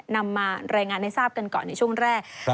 นำมารายงานให้ทราบกันก่อนในช่วงแรก